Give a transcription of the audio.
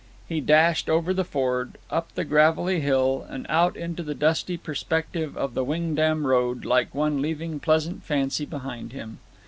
He dashed over the ford, up the gravelly hill, and out into the dusty perspective of the Wingdam road, like one leaving pleasant fancy behind him.